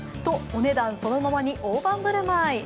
お値段そのままに大盤振る舞い。